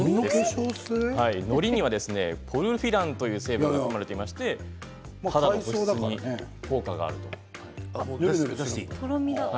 のりにはポルフィランという成分が含まれていまして保湿に効果があるといわれています。